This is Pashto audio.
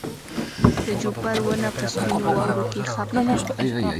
د جوپر ونه په سپینو واورو کې ښه پټه وه.